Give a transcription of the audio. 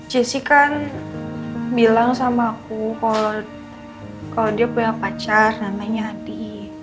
jessi kan bilang sama aku kalau dia punya pacar namanya adi